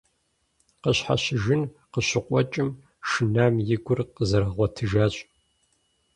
Къыщхьэщыжын къыщыкъуэкӀым, шынам и гур къызэрыгъуэтыжащ.